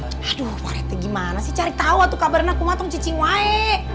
aduh pak rete gimana sih cari tau tuh kabarnya kumatong cacing wae